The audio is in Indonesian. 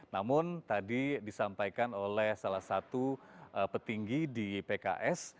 namun tadi disampaikan oleh salah satu petinggi di pks